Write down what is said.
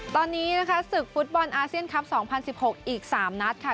ตอนนี้นะคะศึกฟุตบอลอาเซียนคลับ๒๐๑๖อีก๓นัดค่ะ